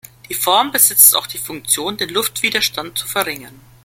Die Form besitzt auch die Funktion, den Luftwiderstand zu verringern.